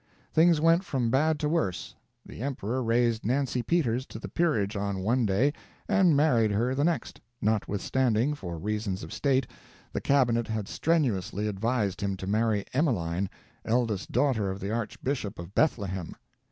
Things went from bad to worse. The emperor raised Nancy Peters to the peerage on one day, and married her the next, notwithstanding, for reasons of state, the cabinet had strenuously advised him to marry Emmeline, eldest daughter of the Archbishop of Bethlehem.